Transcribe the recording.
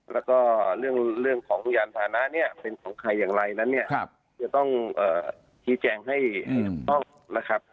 แล้วก็เรื่องของยานพานะเนี่ยเป็นของใครอย่างไรนั้นเนี่ยจะต้องชี้แจงให้ถูกต้องนะครับ